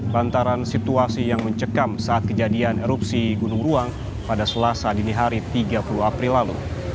lantaran situasi yang mencekam saat kejadian erupsi gunung ruang pada selasa dini hari tiga puluh april lalu